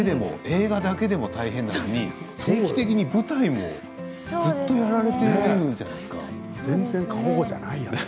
映画だけでも大変なのに定期的に舞台もずっとやられていますよね。